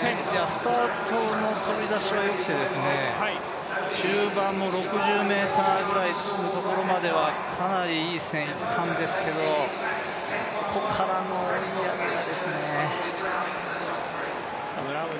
スタートの飛び出しはよくて中盤も６０ｍぐらいのところまではかなりいい線いったんですけど、ここからの追い上げが。